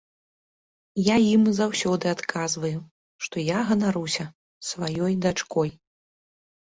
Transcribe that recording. Я ім заўсёды адказваю, што я ганаруся сваёй дачкой.